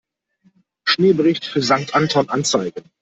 Schneebericht für Sankt Anton anzeigen.